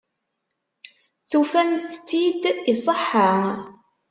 Tufamt-t-id iṣeḥḥa.